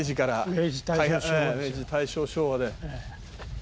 明治大正昭和ですよ。